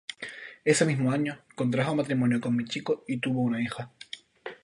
Ese mismo año, contrajo matrimonio con Michiko y tuvo una hija.